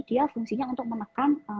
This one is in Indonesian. dia fungsinya untuk menekan